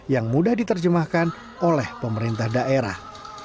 yang mudah diterjemahkan oleh pemerintah daerah